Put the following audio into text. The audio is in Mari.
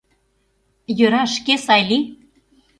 Йӧра, шке сай лий!